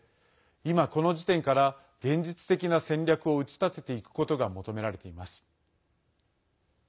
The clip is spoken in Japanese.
今この時点から現実的な戦略を打ち立てていくことが求められています。